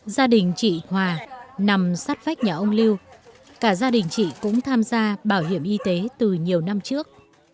gia đình chị hòa nằm sát vách nhà ông lưu cả gia đình chị cũng tham gia bảo hiểm y tế từ nhiều năm trước